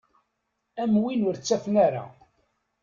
Am win ur ttafen ara.